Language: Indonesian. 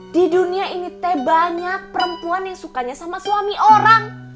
di dunia ini teh banyak perempuan yang sukanya sama suami orang